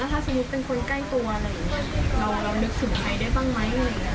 แล้วถ้าสมมุติเป็นคนใกล้ตัวเรานึกสุดไหมได้บ้างไหม